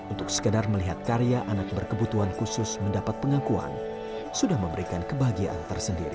untuk sekadar melihat karya anak berkebutuhan khusus mendapat pengakuan sudah memberikan kebahagiaan tersendiri